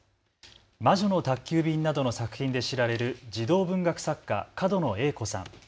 魔女の宅急便などの作品で知られる児童文学作家、角野栄子さん。